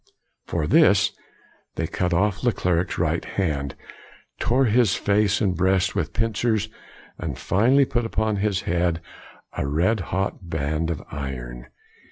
For this, they cut off Leclerc's right hand, tore his face and breast with pincers, and finally put upon his head a red hot band of iron.